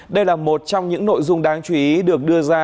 đây là một trong những nội dung đáng chú ý được đưa ra